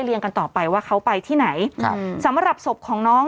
กันต่อไปว่าเขาไปที่ไหนครับสำหรับศพของน้อง